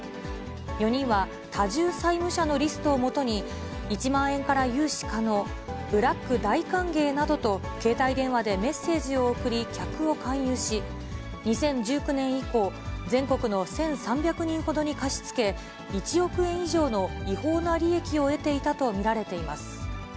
４人は多重債務者のリストを基に、１万円から融資可能、ブラック大歓迎などと携帯電話でメッセージを送り、客を勧誘し、２０１９年以降、全国の１３００人ほどに貸し付け、１億円以上の違法な利益を得ていたと見られています。